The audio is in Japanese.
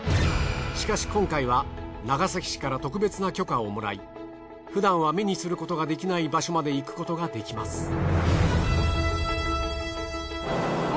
しかし今回は長崎市から特別な許可をもらいふだんは目にすることができない場所まで行くことができます。